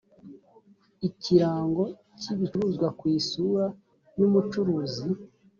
ikirango cy ibicuruzwa ku isura y umucuruzi